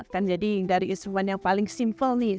kan jadi dari instrumen yang paling simpel nih